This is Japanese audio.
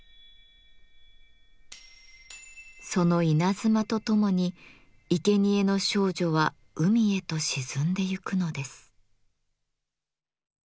その稲妻とともにいけにえの少女は海へと沈んでゆくのです。